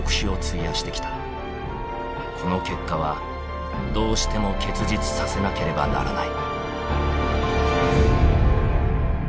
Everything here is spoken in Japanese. この結果はどうしても結実させなければならない。